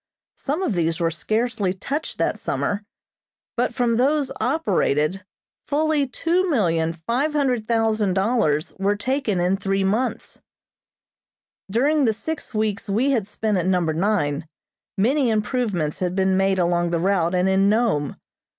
Some of these were scarcely touched that summer, but from those operated fully two million five hundred thousand dollars were taken in three months. [Illustration: CLAIM NUMBER NINE, ANVIL CREEK.] During the six weeks we had spent at Number Nine, many improvements had been made along the route and in Nome.